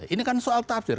ini kan soal tafsir